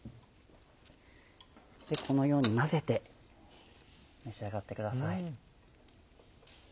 このように混ぜて召し上がってください。